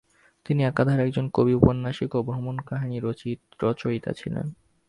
তিনি একাধারে একজন কবি, ঔপন্যাসিক এবং ভ্রমণ কাহিনী রচয়িতা ছিলেন।